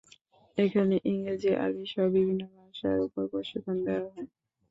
এখানে ইংরেজি, আরবীসহ বিভিন্ন ভাষার উপর প্রশিক্ষণ দেয়া হয়।